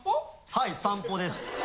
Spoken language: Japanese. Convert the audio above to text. はい散歩です。